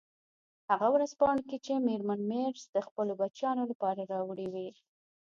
هغه ورځپاڼو کې چې میرمن مېرز د خپلو بچیانو لپاره راوړي وې.